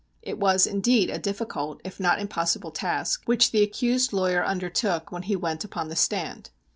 It was indeed a difficult, if not impossible, task which the accused lawyer undertook when he went upon the stand.